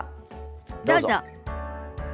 どうぞ。